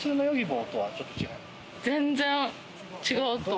全然違うと。